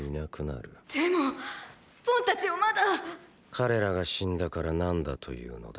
彼らが死んだから何だというのだ。